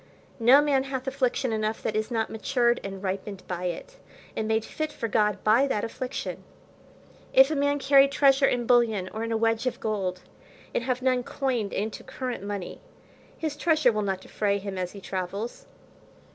No man hath affliction enough that is not matured and ripened by it, and made fit for God by that affliction. If a man carry treasure in bullion, or in a wedge of gold, and have none coined into current money, his treasure will not defray him as he travels.